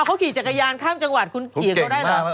เขาขี่จักรยานข้ามจังหวัดคุณขี่เขาได้เหรอ